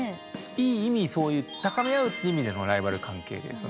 いい意味そういう高め合うっていう意味でのライバル関係です。